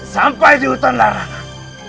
sampai di hutan larangan